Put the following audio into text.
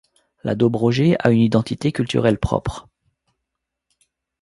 La Dobrogée a une identité culturelle propre.